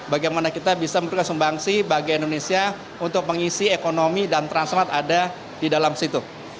bagaimana kita bisa memberikan sumbangsi bagi indonesia untuk mengisi ekonomi dan transmart ada di dalam situ